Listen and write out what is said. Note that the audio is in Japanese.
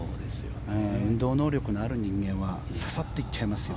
運動能力のある人間はささっと行っちゃいますよ。